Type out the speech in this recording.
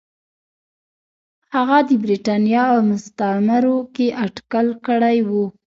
هغه د برېټانیا او مستعمرو کې اټکل کړی و.